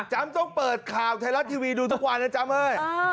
จ้ำต้องเปิดข่าวไทรอททีวีดูทุกวันนะจ้ำเฮ้ย